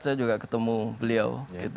saya juga ketemu beliau